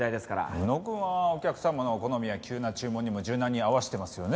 浮野くんはお客様の好みや急な注文にも柔軟に合わせてますよね。